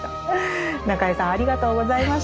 中江さんありがとうございました。